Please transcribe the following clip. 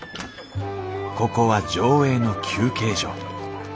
ここは条映の休憩所。